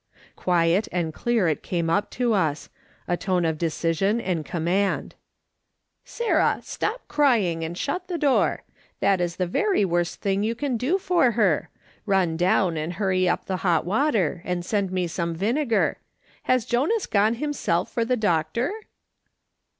Quiet and clear it came up to ns ; a tone of deci sion and command :" Sarah, stop crying, and shut the door. That is the very worst thing you can do for her. Eun down and hurry np the hot water and send me some vinegar ! Has Jonas gone himself for the doctor